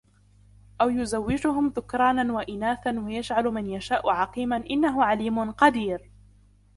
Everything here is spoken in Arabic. أَوْ يُزَوِّجُهُمْ ذُكْرَانًا وَإِنَاثًا وَيَجْعَلُ مَنْ يَشَاءُ عَقِيمًا إِنَّهُ عَلِيمٌ قَدِيرٌ